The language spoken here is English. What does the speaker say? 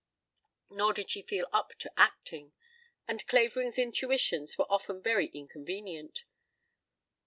Nor did she feel up to acting, and Clavering's intuitions were often very inconvenient.